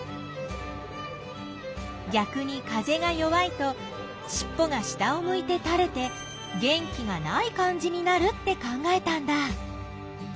ぎゃくに風が弱いとしっぽが下をむいてたれて元気がない感じになるって考えたんだ。